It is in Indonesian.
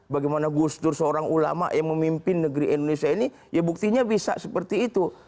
bagaimana gus dur seorang ulama yang memimpin negeri indonesia ini ya buktinya bisa seperti itu